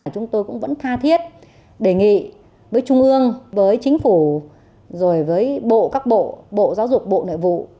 chúng tôi cũng vẫn tha thiết đề nghị với trung ương với chính phủ rồi với bộ các bộ bộ giáo dục bộ nội vụ